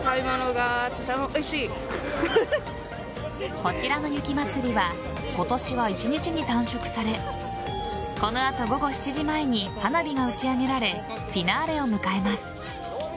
こちらの雪祭は今年は１日に短縮されこの後、午後７時前に花火が打ち上げられフィナーレを迎えます。